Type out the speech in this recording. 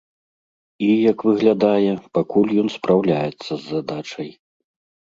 І, як выглядае, пакуль ён спраўляецца з задачай.